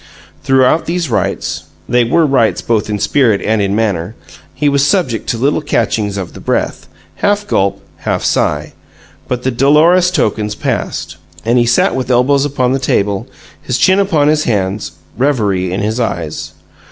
Throughout these rites (they were rites both in spirit and in manner) he was subject to little catchings of the breath, half gulp, half sigh. But the dolorous tokens passed, and he sat with elbows upon the table, his chin upon his hands, reverie in his eyes.